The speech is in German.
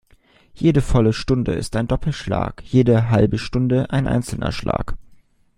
Jede volle Stunde ist ein Doppelschlag, jede halbe Stunde ein einzelner Schlag.